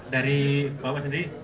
dari bapak sendiri